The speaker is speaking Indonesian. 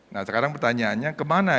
nah sekarang pertanyaannya kemana